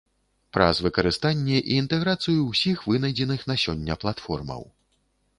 Праз выкарыстанне і інтэграцыю ўсіх вынайдзеных на сёння платформаў.